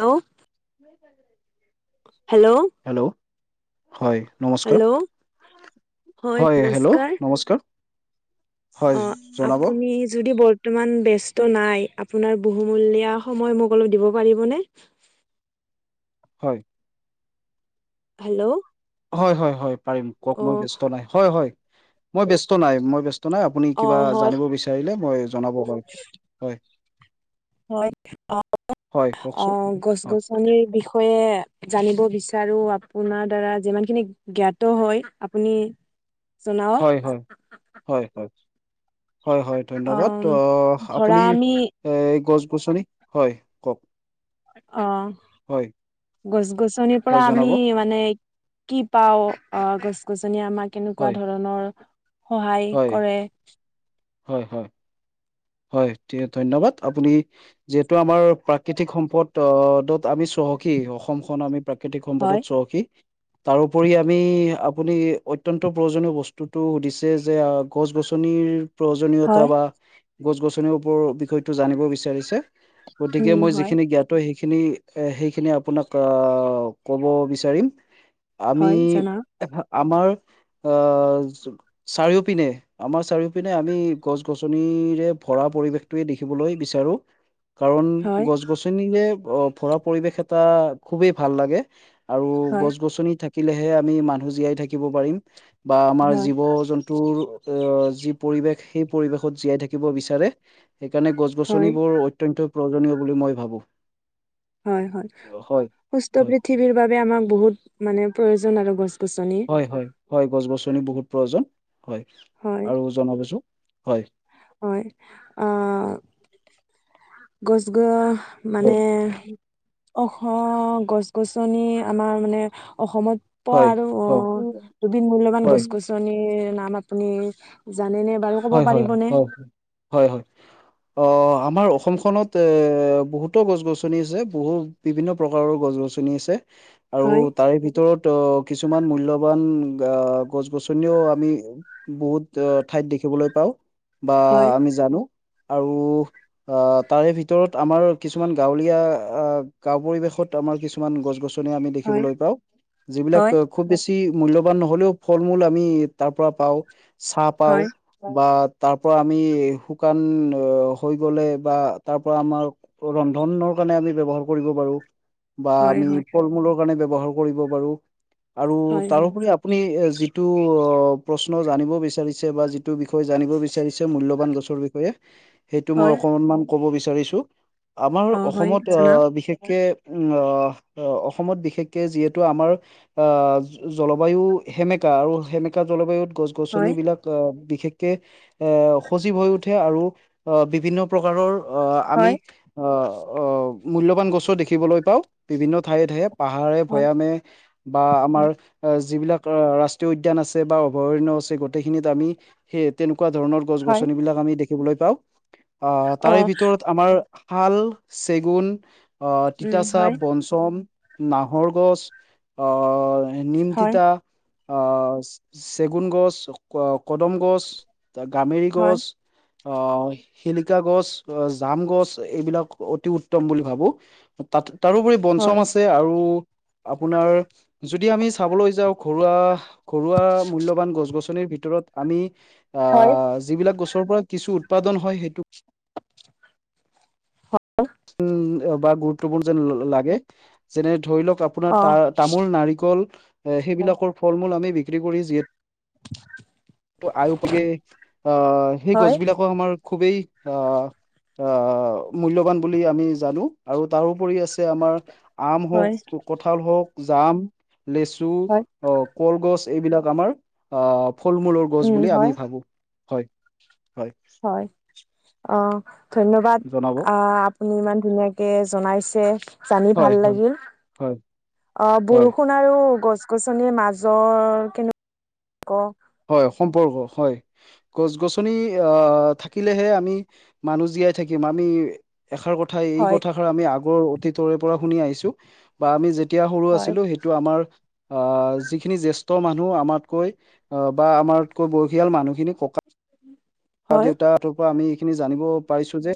Hello. Hello hello হয় নমস্কাৰ। Hello হয় হেল্ল' নমস্কাৰ। হয় অৱ জনাব আপুনি যদি ব বৰ্তমান ব্যস্ত নাই, আপোনাৰ বহুমূলীয়া সময় মোক অলপ দিব পাৰিবনে? হয়। হেল্ল'। হয় হয় হয় পাৰিম কওক অ মই ব্যস্তু নাই হয় হয় মই ব ব্যস্ত নাই মই ব্যস্ত নাই আপুনি অ কিবা হয় জানিব বিচাৰিলে মই জনাব পাৰোঁ, হয়। হয় অ হয় অ কওকচোন গছ হয় গছ পানীৰ বিষয়ে জানিব বিচাৰো আপোনাৰ দ্বাৰা যিমান খিনি জ্ঞাত হয় আপুনি জনাওক হয় হয় হয় হয়। হয় হয় অ ধন্যবাদ, আহ ধৰা আপুনি আমি এই, গছ-গছনি। হয়, কওঁক? অ'! গছ-গছনিৰ হয় পৰা জনাব আমি মানে, কি পাওঁ, আঁ গছ-গছনি আমাক কেনেকুৱা হয় ধৰণৰ, সহায় হয় কৰে। হয়, হয়। হয়! [unintelligible] ধন্যবাদ। আপুনি, যিহেতু আমাৰ, প্ৰাকৃতিক সম্পদ অ' য'ত আমি চহকী, অসমখন আমি প্ৰা প্ৰাকৃতিক হয় সম্পদত চহকী। তাৰোপৰি আমি, আপুনি অত্যন্ত প্ৰয়োজনীয় বস্তুটো সুধিছে যে, গছ-গছনিৰ প্ৰয়োজনীয়তা হয় বা গছ-গছনিৰ ওপৰৰ বিষয়টো জানিব বিচাৰিছে। উম, গতিকে, মই হয়, যিখিনি জ্ঞান ত' সেইখিনি, সেইখিনি আপোনাক আঁ ক'ব বিচাৰিম। ত' আমি, হয়, জনাওক। আমাৰ আঁ চাৰিওপিনে, আমাৰ চাৰিওপিনে, আমি গছ- গছনিৰে ভৰা পৰিৱেশটোৱে দেখিবলৈ বিচাৰোঁ। কাৰণ, হয়, গছ- গছনিৰে ভৰা পৰিবেশ এটা, খুবেই ভাল লাগে! আৰু হয়, গছ- গছনি থা থাকিলেহে, আমি মানুহ জীয়াই থাকিব পাৰিম। বা আমাৰ হয়, জীৱ-জ ন্তুৰ আঁ যি পৰিৱেশ, সেই পৰিৱেশত জীয়াই থাকিব বিছাৰে। সেইকাৰণে, হয়, গছ-গছনিবোৰ অত্যন্ত প্ৰয়োজনীয় বুলি, মই ভাবোঁ। হয়, হয়। সুস্থ পৃথিৱীৰ বাবে, আমাক বহুত মানে, প্ৰয়োজন আৰু গছ। হয়, হয়, হয়! গছ-গছনি বহুত প্ৰয়োজন। হয়! হয়, আৰু জনাবচোন? হয়! হয়, আঁ গছ-গ মানে, অসম গছ-গছনি, আমাৰ মানে অসমত প হয় আৰু হয় দুবিধ মূল্যবান হয় গছ-গছ গছ- গছনিৰ নাম আপুনি, জানেনে বাৰু? ক'ব হয়, হয়, পাৰিবনে? হয়, হয়। অ'! আমাৰ অসমখনত এ, বহুতো গছ-গছনি আছে, বহু। বিভিন্ন প্ৰকাৰৰ গছ-গছনি আছে। আৰু হয়, তাৰে, ভিতৰত ত' কিছুমান মূল্যবান অ' গছ-গছনিও আমি, বহুত ঠাইত দেখি দেখিবলৈ পাওঁ। বা হয়, আমি জানোঁ। আৰু অ' ভিতৰত আমাৰ, কিছুমান গাঁৱলীয়া অ' গাঁও পৰিবেশত, আমাৰ কিছুমান গছ-গছ নি আমি হয়, দেখিবলৈ পাওঁ। যিবিলাক হয়, খুউব বেছি, মূল্যবান নহ'লেও, ফল-মূল আমি, তাৰ পৰা পাওঁ, চাহ পাওঁ। হয়, বা তাৰপৰা আমি, শুকান হৈ গ'লে বা তাৰপৰা আমাৰ ৰন্ধনৰ কাৰণে, আমি ব্যৱহাৰ কৰিব পাৰোঁ। বা হয়, আমি, হয়, ফল-মূল কাৰণে, ব্যৱহাৰ কৰিব পাৰোঁ। আৰু হয়, হয়, তাৰোপৰি আপুনি, যিটো অ' প্ৰশ্ন জানিব বিচাৰিছে বা যি টো বিষয়ে জানিব বিছাৰিছে, মূল্যবান গছৰ বিষয়ে। সেইটো মই হয়, অকণমান ক'ব বিচাৰিছোঁ! আমাৰ অ' হয়, অসমত জনাওক। অ' বিশেষকে, উম, অ' অসমত বিশেষকে, যিহেতু আমাৰ আঁ জলবায়ু সেমেকা। আৰু সেমেকা জলবায়ুত গছ হয়, গছনিবিলাক আঁ বিশেষকে এ, সজীৱ হৈ উঠে। আৰু বিভিন্ন প্ৰকাৰৰ অ' আমি, হয়, অ' অ'! মূল্যবান গছো দেখিবলৈ পাওঁ, বিভিন্ন ঠায়ে-ঠায়ে, হয়, পাহাৰে-ভৈয়ামে বা হয়, আমাৰ, আহ' যিবিলাক ৰাষ্ট্ৰীয় উদ্যান আছে বা অভয়াৰণ্য আছে গোটেইখিনিত আমি- সেই তেনেকুৱা ধৰণৰ গছ হয়। গছনিবিলাক আমি দেখিবলৈ পাওঁ। আহ তাৰে অ', ভিতৰত- আমাৰ শাল, চেগুন, অ' উম, তিতাচা, হয়, বনচু চম, নাহৰ গছ আহ' নিম হয়, তিতা- আহ' চে-চেগুন গছ, ক- কদম গছ, গামেৰী হয়, গছ- অ' শিলিকা গছ, জাম গছ এইবিলাক অতি উত্তম বুলি ভাবোঁ। তাত তাৰোপৰি বঞ্চম হয়, আছে আৰু আপোনাৰ যদি আমি চাবলৈ যাওঁ ঘৰুৱা ঘৰুৱা মূল্যবান গছ-গছনিৰ ভিতৰত আমি [inaudible] হয়। আ যিবিলাক গছৰ পৰা কিছু উৎপাদন হয় সেইটো উম বা গুৰুত্বপূৰ্ণ যেন লাগে। যেনে ধৰি লওক আপোনাৰ অ', তা-তামোল নাৰিকল এ সেইবিলাকৰ ফল-মূল আমি বিক্ৰী কৰি যিহেতু ত' আয়পে অ' সেই হয়, গছবিলাক খুবেই আ, আ, মূল্যবান। বুলি আমি জানো আৰু তাৰোপৰি আছে আমাৰ আম হওক, হয়, খুক কঁঠাল হওক, জাম, লেচু, হয়, অ' কলগছ এইবিলাক আমাৰ আ ফল-মূলৰ গছ উম, বুলি আমি হয়, ভাবো। হয়। হয় হয়। অ', ধন্যবাদ। জনাব আ আপুনি ইমান ধুনীয়াকে জনাইছে। জানি ভাল হয় হয় লাগিল। হয় অ' হয় বৰষুণ আৰু গছ-গছনিৰ মাজৰ কেনেকুৱা ক হয়, সম্পৰ্ক হয় গছ-গছনি এ' অ' থাকিলেহে আমি মানুহ জীয়াই থাকিম। আমি এষাৰ কথা এই হয়, কথাষাৰ আমি আগৰ অতীতৰে পৰা শুনি আহিছো। বা আমি যেতিয়া সৰু হয়, আছিলো, সেইটো আমাৰ আহ যিখিনি জ্যেষ্ঠ মানুহ আমাতকৈ অ' বা আমাতকৈ বয়সীয়াল মানুহখিনি ককা হয়, কা-দেউতা পৰা আমি এইখিনি জানিব পাৰিছো যে,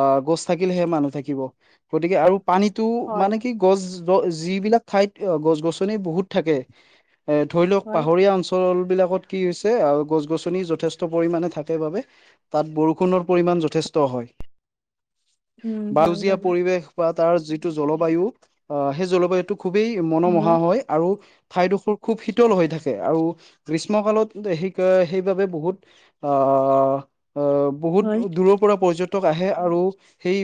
আহ গছ থাকিলে মানুহ থাকিব। গতিকে আৰু পানীতো হয়, মানে কি গছ যিবিলাক ঠাইত অ' গছ-গছনি বহুত থাকে এ ধৰি লওক হয়, পাহৰীয়া অঞ্চলবিলাকত কি হৈছে আৰু গছ-গছনি যথেষ্ট পৰিমানে থাক সেইবাবে তাত বৰষুণৰ পৰিমাণ যথেষ্ট হয়। উম, হয় বাউজীয়া বাৰু পৰিৱেশ বা তাৰ যিটো জলবায়ু আহ সেই জলবায়ুটো খুবেই মনোমোহা হয় আৰু ঠাইডোখোৰ খুব শীতল হৈ থাকে। আৰু গ্ৰীষ্ম কালত সেই সেইবাবে বহুত অ', অ' হয়, বহুত দূৰত পৰা পৰ্যটক আহে আৰু সেই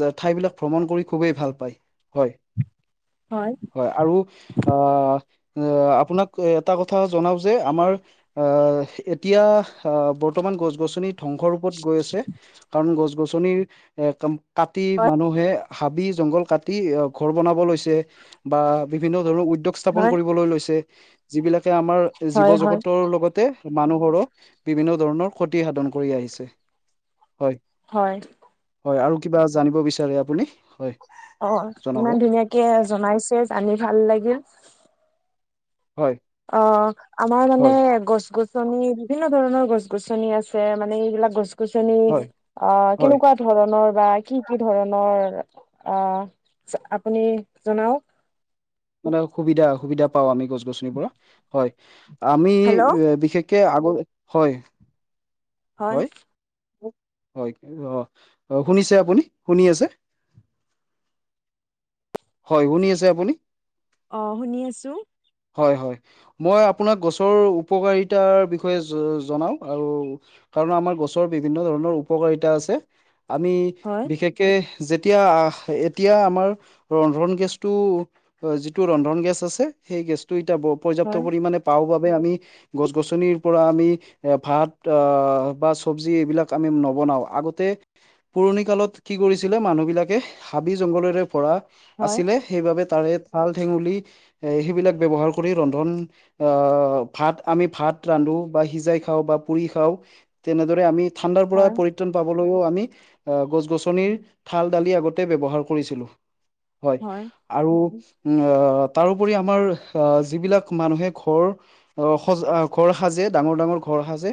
যে ঠাই বিলাক ভ্ৰমণ কৰি খুবেই ভাল পায়। হয়। হয়। হয়, আৰু আ, আ- আপোনাক এটা কথা জনাও যে আমাৰ আহ এতিয়াহ আহ বৰ্তমান গছ-গছনি ধ্বংস ৰূপত গৈ আছে। কাৰণ গছ-গছনিৰ এ ক কাটি মানুহে হাবি-জংঘল কাটি এ ঘৰ বনাব লৈছে বা বিভিন্ন ধৰণৰ উদ্যোগ স্থাপন হয়, কৰিবলৈ লৈছে। যিবিলাকে আমাৰ জীৱ হয়, হয়, জগতৰ লগতে মানুহৰো বিভিন্ন ধৰণৰ ক্ষতি সাধন কৰি আহিছে। হয়! হয়। হয় আৰু কিবা জানিব বিচাৰে আপুনি? হয়! অ' জনাব ইমান ধুনীয়াকে জনাইছে জানি ভাল লাগিল। হয়। অ' আমাৰ মানে হয় গছ-গছ গছনি বিভিন্ন ধৰণৰ গছ-গছনি আছে মানে এইবিলাক গছ-গছনি হয় অ' হয় কেনেকুৱা কি ধৰণৰ বা কি কি ধৰণৰ আহ' আপুনি জনাওক? মানে সুবিধা সুবিধা পাও আমি গছ-গছনি পৰা। হয় আমি হেল্ল' বিশেষ কে আগৰ হয়। হয় হয়, অ' শুনিছে আপুনি শুনি আছে? হয়, শুনি আছে আপুনি? অঁ শুনি আছোঁ। হয় হয়, মই আপোনাক গছৰ উপকাৰিতাৰ বিষয়ে জনাও আৰু। কাৰণ আমাৰ গছৰ বিভিন্ন ধৰণৰ উপকাৰিতা আছে। আমি হয় বিশেষ কে যেতিয়া আহ' এতিয়া আমাৰ ৰন্ধন গেছটো যিটো ৰন্ধন গেছ আছে, সেই গেছটো এতিয়া পৰ্যাপ্ত হয় পৰিমাণে পাও বাবে আমি। গছ-গছনিৰ পৰা আমি এ ভাত আহ' বা চব্জি এইবিলাক আমি নবনাও। আগতে পুৰণি কালত কি কৰিছিলে মানুহবিলাকে হাবি-জংঘলেৰে ভৰা হয় আছিলে সেইবাবে তাৰে থাল-ঠেঙুলি এ সেইবিলাক ব্যৱহাৰ কৰি ৰন্ধন আহ' ভাত আমি ভাত ৰান্ধো বা সিজাই খাওঁ বা পুৰি খাওঁ তেনেদৰে আমি ঠাণ্ডাৰ পৰা হয় পৰি [unintelligible] পাবলৈও আমি আহ' গছ-গছনিৰ ঠাল-ডালি আগতে ব্যৱহাৰ কৰিছিলোঁ। হয়, আৰু আহ' তাৰোপৰি আমাৰ আহ' যিবিলাক মানুহে ঘৰ আহ' সজ আহ ঘৰ সাজে ডাঙৰ-ডাঙৰ ঘৰ সাজে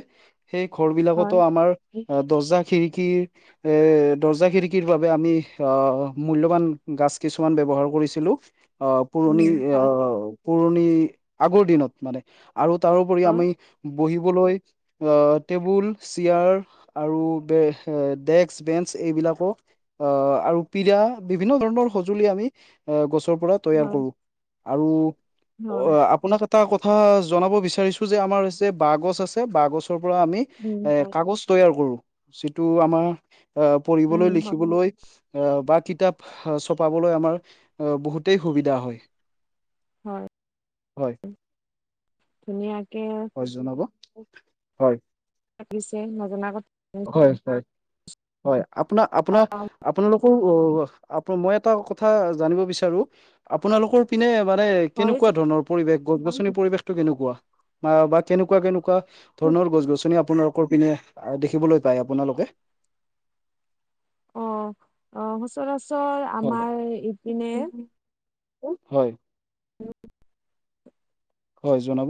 সেই হয় ঘৰবিলাকতো আমাৰ অ' দৰ্জা খিৰিকীৰ এ দৰ্জা-খিৰিকীৰ বাবে আমি আহ মূল্যবান গছ কিছুমান ব্যৱহাৰ কৰিছিলোঁ অ' পুৰণি উম হয় অ' পুৰণি আগৰ দিনত মানে, আৰু তাৰোপৰি হয় আমি বহিবলৈ আহ' টেবুল-চিয়াৰ আৰু ব ডেস্ক-বেঞ্চ এইবিলাকো আহ' আৰু পীৰা বিভিন্ন ধৰণৰ সঁজুলি আমি আহ' গছৰ পৰা তৈয়াৰ হয় কৰো। আৰু হয় আপোনাক এটা কথা জনাব বিচাৰিছো যে আমাৰ যে বাঁহগছ আছে বাঁহ গছৰ পৰা আমি উম এ হয় কাগজ তৈয়াৰ কৰো, যিটো আমাৰ আহ' উম পঢ়িবলৈ হয় লিখিবলৈ আহ' বা কিতাপ চপাবলৈ আমাৰ বহুতেই সুবিধা হয়। হয়। হয় ধুনীয়াকে হয় জনাব। হয়! ভাবিছে নজনা কথ হয় হয় হয়, আপোনাৰ আপোনাৰ আপোনালোকৰ অ' মই এটা কথা জানিব বিচাৰো। আপোনালোকৰ পিনে মানে, হয় কেনেকুৱা ধৰণৰ পৰিৱেশ গছ-গছনি পৰিৱেশটো কেনেকুৱা বা বা কেনেকুৱা কেনেকুৱা ধৰণৰ গছ-গছনি আপোনালোকৰ পিনে দেখিবলৈ পায় আপোনালোকে? অ' অ, সচৰাচৰ হয় আমাৰ ইপিনে হয়। [unintelligible] হয় জনাব।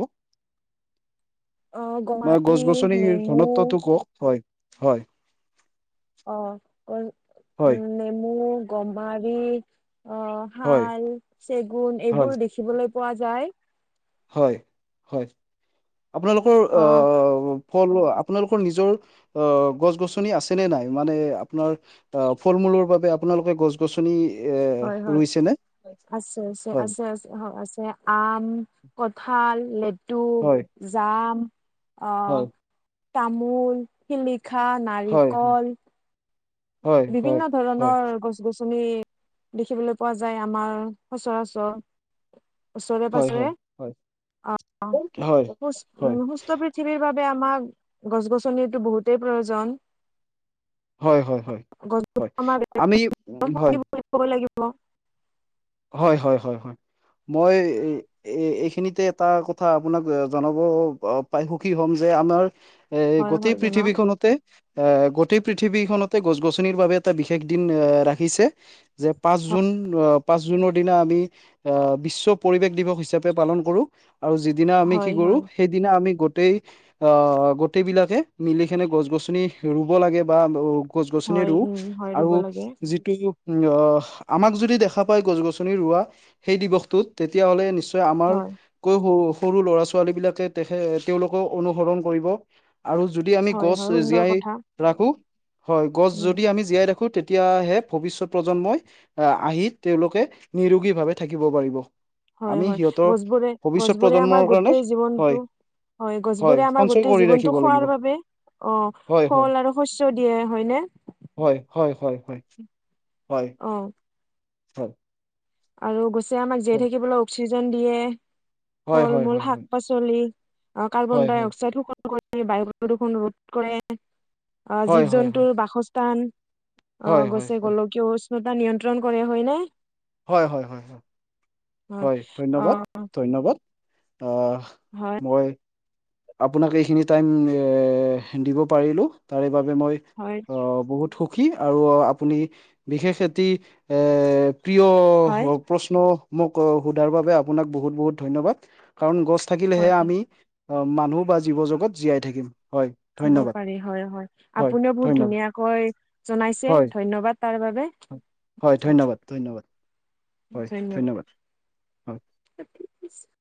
অ', ম গমাৰি, গছ-গছনিৰ নেমু ঘনত্বটো কওক হয় হয়। অ' হয় নেমু, গমাৰী অ' হয় শাল, চেগুন হয় এইবোৰ দেখিবলৈ পোৱা যায়। হয় হয় আপোনালোকৰ অ', আহ ফল আপোনালোকৰ নিজৰ অ' গছ-গছনি আছে নে নাই মানে আপোনাৰ আহ ফল মূলৰ বাবে আপোনালোকে গছ গছনি এ হয় হয় ৰুইছে নে আছে আছে হয় আছে আছে হ আছে। আম, কঠাল, লেটুক, হয় জাম অ' হয় তামোল, শিলিখা, হয় নাৰিকল। হয় হয় বিভিন্ন হয় ধৰণৰ গছ গছ-গছনি দেখিবলৈ পোৱা যায় আমাৰ সচৰাচৰ। হয় হয় ওচৰে-পাজৰে হয় আহ আ হয় হয় সুচ সুস্থ পৃথিৱীৰ বাবে আমাক গছ- গছনিৰ টো বহুতেই প্ৰয়োজন। হয় হয় হয় হয় আমি হয়। [unintelligible] কৰিব লাগিব। হয় হয় হয় হয় মই এ এইখিনিতে এটা কথা আপোনাক জনাব পাই সুখী হ'ম যে আমাৰ। এ হয় গোটেই হয় জনাওক পৃথিৱীখনতে। এ গোটেই পৃথিৱীখনতে গছ-গছনিৰ বাবে এটা বিশেষ দিন আ ৰাখিছে। যে পাঁচ জুন পাঁচ জুনৰ দিনা আমি আ বিশ্ব পৰিৱেশ দিৱস হিচাপে পালন কৰোঁ আৰু যি দিনা আমি কি হয় কৰো হয় সেইদিনা আমি গোটেই অ' অ' গোটেইবলাকে মিলি কেনে গছ -গছনি ৰুব লাগে বা গছ গছনি হয় ৰুওঁ উম হয় আৰু ৰুব লাগে যিটো অ' আমাক যদি দেখা পাই গছ-গছনি ৰোৱা সেই দিৱসটোত তেতিয়া হ'লে নিশ্চয় আমাৰ হয় কৈ সৰু, সৰু ল'ৰা-ছোৱালীবিলাকে তেখে তেওঁলোকক অনুসৰণ কৰিব। আৰু যদি আমি হয় হয় গছ সুন্দৰ জীয়াই কথা ৰাখো। হয় গছ উম যদি আমি। জীয়াই ৰাখোঁ তেতিয়াহে ভৱিষ্যত প্ৰজন্মই আহি। তেওঁলোকে নিৰোগীভাৱে থাকিব পাৰিব। হয়, আমি হয়। সিহঁতৰ গছবোৰে, ভৱিষ্যত গছবোৰে প্ৰজন্মৰ আমাৰ কাৰণে গোটেই হয় জীৱনটো হয় গছবোৰে আমাৰ সঞ্চয় গোটেই কৰি জীৱনটো ৰাখিব লাগিব খোৱাৰ বাবে হয় হয় ফল আৰু শস্যৰ দিয়ে হয় নে। হয়, হয় হয় হয়, হয়। অঁ। হয়। আৰু গছে আমাক জীয়াই থাকিবলৈ অক্সিজেন দিয়ে ফল হয় হয় হয় মূল শাক-পাচলি চলি কাৰ্বন হয় ডাই হয় অক্সাইড শোষণ কৰি বায়ু প্ৰদূষণ ৰো কৰে। আহ হয় জীৱ হয় হয় হয় জন্তুৰ বাসস্থান অ' হয় হয় হয় হয় গছে গোলকীয় উষ্ণতা নিয়ন্ত্ৰণ কৰে হয় নে। হয় হয় হয় হয়, হয় ধন্যবাদ ধন্যবাদ। অ' হয়। মই আপোনাক এইখিনি টাইম এহ দিব পাৰিলোঁ তাৰে বাবে মই হয়। অ', বহুত সুখী আৰু আপুনি বিশেষ এটি অ' প্ৰিয় হয় প্ৰশ্ন মোক সোধাৰ বাবে আপোনাক বহুত বহুত ধন্যবাদ, কাৰণ গছ থাকিলেহে হয় আমি অ', মানুহ বা জীৱ জগত জীয়াই থাকিম হয়। আহিব ধন্যবাদ পাৰি, হয় হয় আপুনিও বহুত ধুনীয়াকৈ জনাইছে, হয় ধন্যবাদ তাৰ বাবে। হয় ধন্যবাদ, ধন্যবাদ, হয় ধন্যবাদ। হয় [unintelligible]